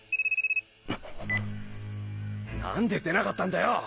何で出なかったんだよ。